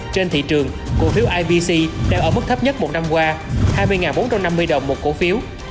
trên thị trường cổ phiếu ibc đang ở mức thấp nhất một năm qua hai mươi bốn trăm năm mươi đồng một cổ phiếu